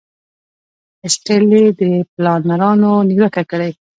ایسټرلي د پلانرانو نیوکه کړې.